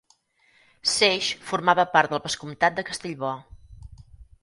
Seix formava part del vescomtat de Castellbò.